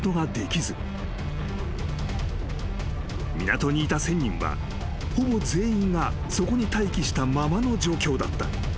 ［港にいた１，０００人はほぼ全員がそこに待機したままの状況だった］